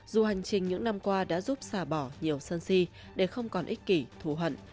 dù hành trình những năm qua đã giúp xà bỏ nhiều sân si để không còn ích kỷ thù hận